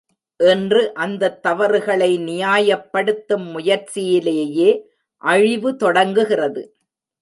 இன்று அந்தத் தவறுகளை நியாயப்படுத்தும் முயற்சியிலேயே அழிவு தொடங்குகிறது.